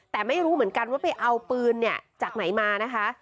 แต่ไม่รู้เหมือนกันว่าไปเอาปืนเนี่ยจากไหนมานะคะ